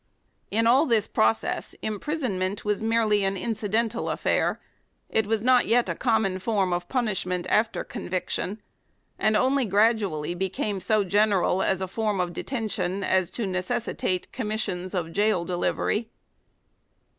In all this process imprisonment was merely an incidental affair ; it was not yet a common form of punishment after conviction, and only gradually became so general as a form of detention as to necessitate commissions of gaol delivery.